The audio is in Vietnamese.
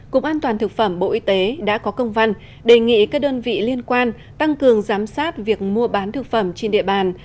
cục an toàn thực phẩm bộ y tế đã có công văn đề nghị các đơn vị liên quan tăng cường giám sát việc mua bán thực phẩm trên địa bàn